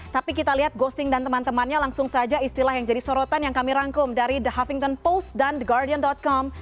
tapi kita lihat ghosting dan teman temannya langsung saja istilah yang jadi sorotan yang kami rangkum dari the huvington post dan the guardian com